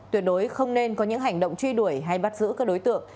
tuyệt đối không nên có những hành động truy đuổi hay bắt giữ các đối tượng